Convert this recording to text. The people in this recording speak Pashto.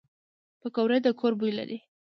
پکورې د کور بوی لري